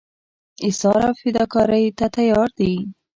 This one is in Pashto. ایثار او فداکارۍ ته تیار دي.